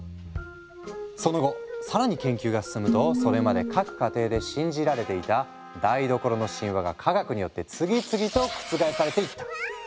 その後更に研究が進むとそれまで各家庭で信じられていた台所の神話が科学によって次々と覆されていった。